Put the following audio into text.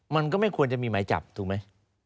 มันก็ไม่ควรจะมีหมายจับถูกไหม